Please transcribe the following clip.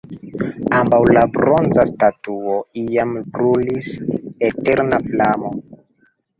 Antaŭ la bronza statuo iam brulis eterna flamo.